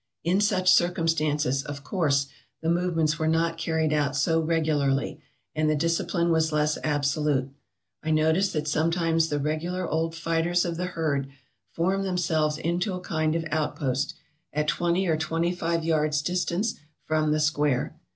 In such circumstances, of course, the movements were not carried out so regularly, and the discipline was less absolute. I noticed that sometimes the regular old fighters of the herd formed themselves into a kind of outpost, at twenty or twenty five yards' distance from the square.